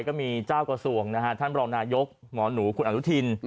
ก็มีเจ้ากระทรวงนะฮะท่านรองนายกหมอหนูคุณอนุทิน